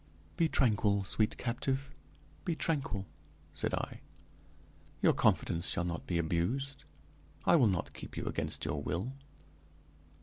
"Be tranquil, sweet captive, be tranquil," said I; "your confidence shall not be abused. I will not keep you against your will.